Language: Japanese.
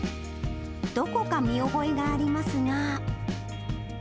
どこか見覚えがありますが。